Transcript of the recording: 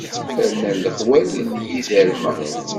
Rnan lexwal d yiderma.